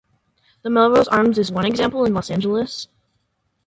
The Melrose Arms is one example in Los Angeles.